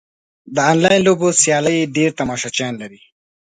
د انلاین لوبو سیالۍ ډېر تماشچیان لري.